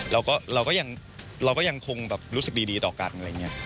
เราก็ยังเราก็ยังคงแบบรู้สึกดีต่อกันอะไรอย่างนี้